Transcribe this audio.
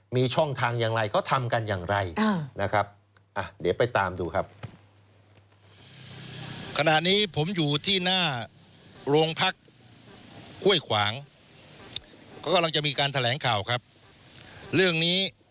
มีช่องทางอย่างไรเขาทำกันอย่างไร